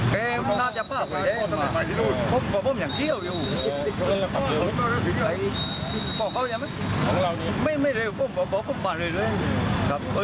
ย้อนกลับไปดูภาพนี่นะครับ